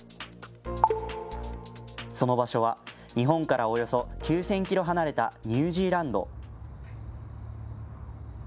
その場所は日本からおよそ９０００キロ離れたニュージーランド。